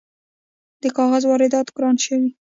د کاغذ واردات ګران شوي؟